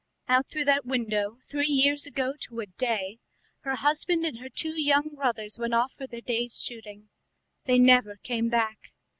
"Out through that window, three years ago to a day, her husband and her two young brothers went off for their day's shooting. They never came back.